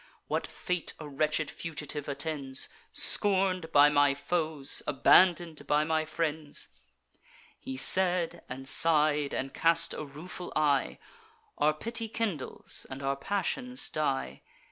What fate a wretched fugitive attends, Scorn'd by my foes, abandon'd by my friends?' He said, and sigh'd, and cast a rueful eye: Our pity kindles, and our passions die.